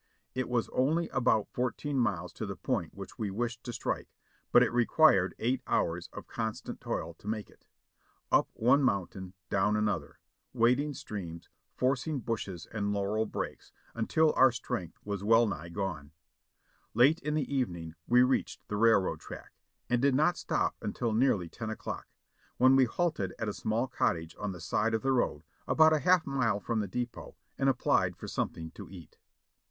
It was only about fourteen miles to the point which we wished to strike, but it required eight hours of constant toil to make it. Up one mountain, down another, wading streams, forc ing bushes and laurel brakes, until our strength was well nigh 492 JOHNNY REB and BILLY YANK gone. Late in the evening we reached the railroad track, and did not stop until nearly ten o'clock, when we halted at a small cottage on the side of the road about a half mile from the depot, and applied for something to eat.